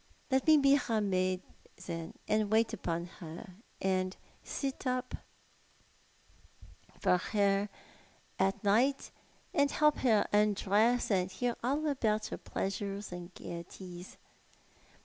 " Let me be her maid, then, and wait upon her, and sit up 52 Thoti art tJie Man. for her at night, and help her to undress, and hear all about her pleasures and gaieties."